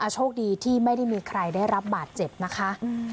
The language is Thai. โชคดีที่ไม่ได้มีใครได้รับบาดเจ็บนะคะ